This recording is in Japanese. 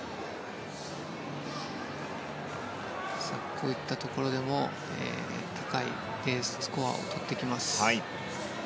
こういったところでも高いＤスコアを取ってきます。